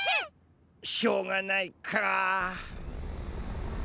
しょうがないカ。